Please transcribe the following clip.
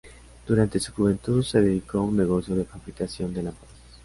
Durante su juventud se dedicó a un negocio de fabricación de lámparas.